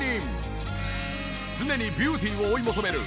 常にビューティーを追い求める